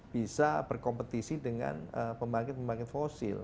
bisa berkompetisi dengan pembangunan fosil